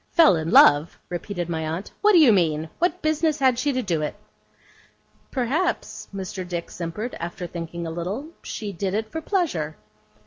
'Fell in love!' repeated my aunt. 'What do you mean? What business had she to do it?' 'Perhaps,' Mr. Dick simpered, after thinking a little, 'she did it for pleasure.